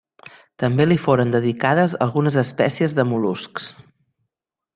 També li foren dedicades algunes espècies de mol·luscs.